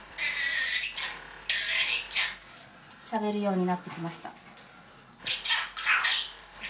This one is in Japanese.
しゃべるようになってきました。